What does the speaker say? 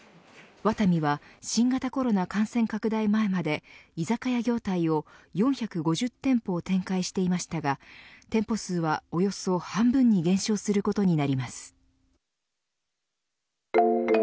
ワタミは新型コロナ感染拡大前まで居酒屋業態を４５０店舗を展開していましたが店舗数は、およそ半分に減少することになります。